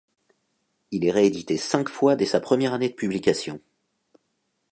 Il est réédité cinq fois dès sa première année de publication.